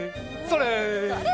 それ！